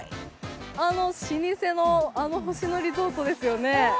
あの老舗のあの星野リゾートですよね。